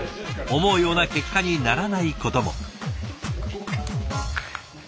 思うような結果にならないことも。